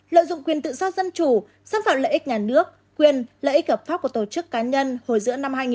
lợi dụng quyền tự do dân chủ xâm phạm lợi ích nhà nước quyền lợi ích hợp pháp của tổ chức cá nhân hồi giữa năm hai nghìn một mươi